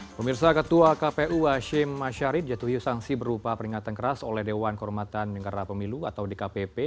pemirsa ketua kpu hashim ashari jatuhi sanksi berupa peringatan keras oleh dewan kehormatan negara pemilu atau dkpp